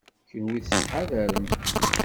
Kenwi tettḥadarem.